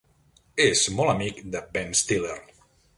És molt amic de Ben Stiller.